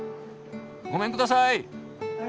ごめんください。